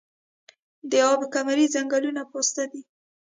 د اب کمري ځنګلونه پسته دي